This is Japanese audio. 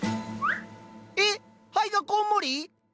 えっ灰がこんもり？